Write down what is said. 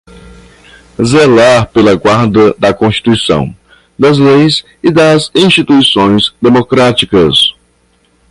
zelar pela guarda da Constituição, das leis e das instituições democráticas